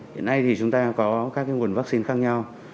hiện nay thì chúng ta có các nguồn vaccine khác nhau